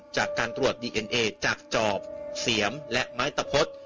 จากการตรวจดีเอ็นเอจากจอบเสียมและไม้ตะพด